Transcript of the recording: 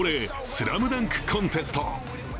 スラムダンクコンテスト。